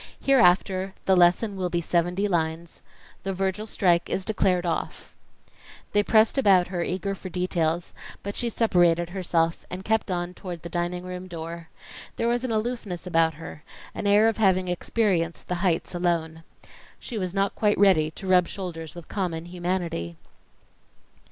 "Hereafter the lesson will be seventy lines. The Virgil strike is declared off." They pressed about her eager for details, but she separated herself, and kept on toward the dining room door. There was an aloofness about her, an air of having experienced the heights alone. She was not quite ready to rub shoulders with common humanity.